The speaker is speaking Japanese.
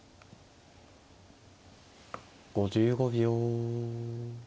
５５秒。